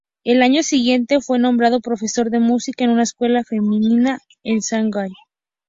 El año siguiente fue nombrado profesor de música en una escuela femenina en Shangai.